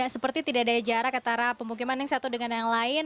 seperti tidak ada jarak antara pemukiman yang satu dengan yang lain